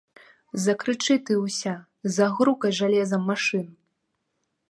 Закрычы ты ўся, загрукай жалезам машын!